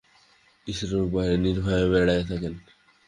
স্ত্রীলোক বাহিরে নির্ভয়ে বেড়াইয়া থাকেন।